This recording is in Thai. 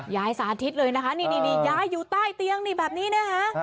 สาธิตเลยนะคะนี่ยายอยู่ใต้เตียงนี่แบบนี้นะคะ